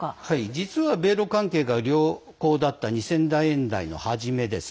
実は米ロ関係が良好だった２０００年代の初め